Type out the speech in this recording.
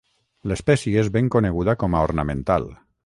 L'espècie és ben coneguda com a ornamental.